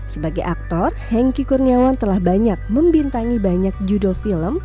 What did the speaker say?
sebagai aktor henki kurniawan telah banyak membintangi banyak judul film